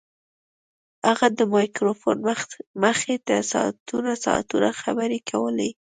هغه د مایکروفون مخې ته ساعتونه ساعتونه خبرې کولې